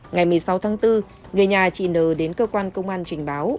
ngày một mươi sáu tháng bốn người nhà chị n đến cơ quan công an trình báo